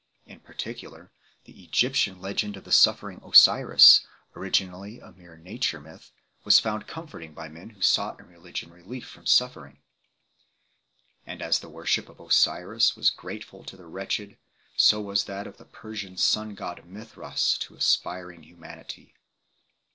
In particular, the Egyptian legend of the suffering Osiris originally a mere nature myth was found comforting by men who sought in religion relief from suffering. And as the worship of Osiris was grateful to the wretched, so was that of the Persian sun god Mithras to aspiring humanity.